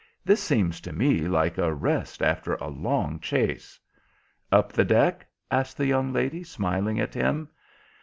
This seems to me like a rest after a long chase." "Up the deck?" asked the young lady, smiling at him.